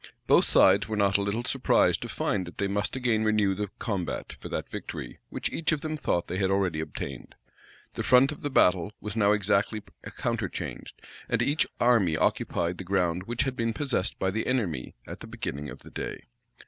Both sides were not a little surprised to find that they must again renew the combat for that victory which each of them thought they had already obtained. The front of the battle was now exactly counterchanged; and each army occupied the ground which had been possessed by the enemy at the beginning of the day.